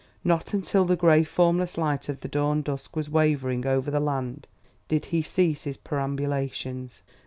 Not until the gray, formless light of the dawn dusk was wavering over the land, did he cease his perambulations.